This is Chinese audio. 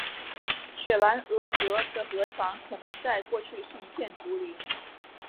雪兰莪河的河床可能在过去是一片竹林。